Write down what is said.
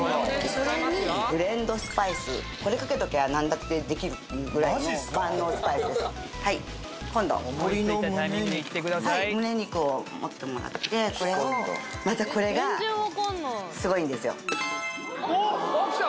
それにブレンドスパイスこれかけときゃ何だってできるっていうぐらいの万能スパイスはい今度むね肉を持ってもらってこれをまたこれがすごいんですよあっきた？